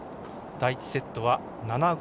第１セットは７−５。